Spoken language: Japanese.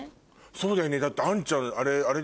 そうだよねだって杏ちゃんあれあれでしょ？